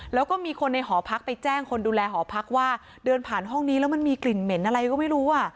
แล้วก็มีคนในหอพักไปแจ้งคนดูแลหอพักว่าเดินผ่านห้องนี้แล้วมันมีกลิ่นเหม็นอะไรก็ไม่รู้อ่ะ